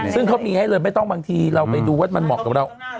ซึ่งเขามีให้เลยไม่ต้องบางทีเราไปดูว่ามันเหมาะกับเรา